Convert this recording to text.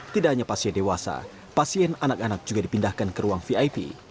tidak hanya pasien dewasa pasien anak anak juga dipindahkan ke ruangan kelas tiga